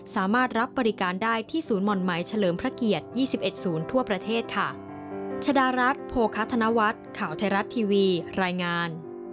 สามารถรับบริการได้ที่ศูนย์ห่อนไหมเฉลิมพระเกียรติ๒๑ศูนย์ทั่วประเทศค่ะ